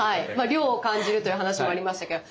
涼を感じるという話もありましたけど。